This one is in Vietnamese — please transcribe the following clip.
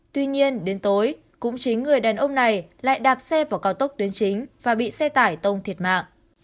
tuy nhiên đến tối cũng chính người đàn ông này lại đạp xe vào cao tốc tuyến chính và bị xe tải tông thiệt mạng